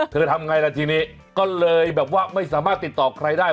ทำไงล่ะทีนี้ก็เลยแบบว่าไม่สามารถติดต่อใครได้